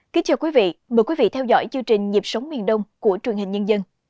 kính chào quý vị mời quý vị theo dõi chương trình nhịp sống miền đông của truyền hình nhân dân